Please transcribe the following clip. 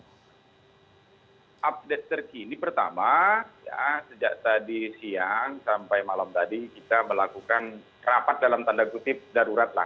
update terkini pertama sejak tadi siang sampai malam tadi kita melakukan rapat dalam tanda kutip darurat lah